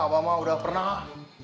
abah mah udah pernah